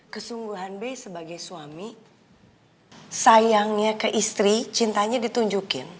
kesungguhan b sebagai suami sayangnya ke istri cintanya ditunjukin